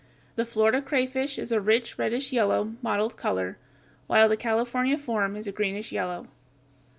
The Florida crayfish is a rich reddish yellow, mottled color, while the California form is a greenish yellow.